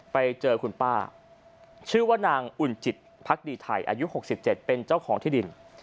ไปเจอคุณป้าชื่อว่านางอุ่นจิตภักดีไทยอายุ๖๗เป็นเจ้าของที่ดิน